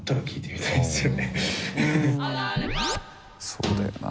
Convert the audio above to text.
そうだよな。